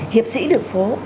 hiệp sĩ đường phố